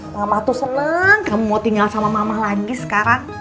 mama tuh seneng kamu mau tinggal sama mama lagi sekarang